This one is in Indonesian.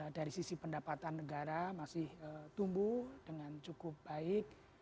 dari sisi pendapatan negara masih tumbuh dengan cukup baik